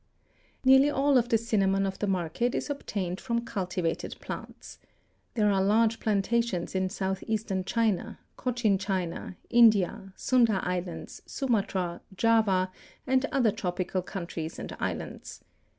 Nearly all of the cinnamon of the market is obtained from cultivated plants. There are large plantations in southeastern China, Cochin China, India, Sunda islands, Sumatra, Java and other tropical countries and islands.